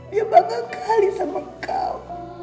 dia bangga sekali sama kau